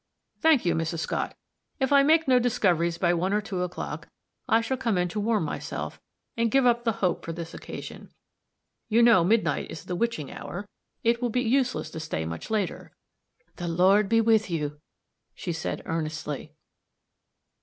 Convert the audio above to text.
"Thank you, Mrs. Scott; if I make no discoveries by one or two o'clock, I shall come in to warm myself, and give up the hope for this occasion. You know midnight is the witching hour it will be useless to stay much later." "The Lord be with you," she said, earnestly.